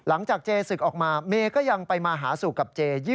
หลังจากเจศึกออกมาเมย์ก็ยังไปมาหาสู่กับเจ